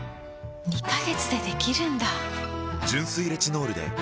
２カ月でできるんだ！